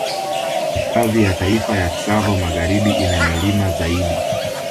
Hifadhi ya Taifa ya Tsavo Magharibi ina milima zaidi